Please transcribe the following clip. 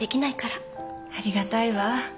ありがたいわ。